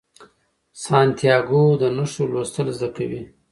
سانتیاګو د نښو لوستل زده کوي.